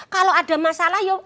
kalau ada masalah ya